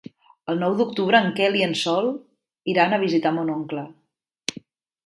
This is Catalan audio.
El nou d'octubre en Quel i en Sol iran a visitar mon oncle.